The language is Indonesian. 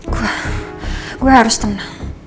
gue gue harus tenang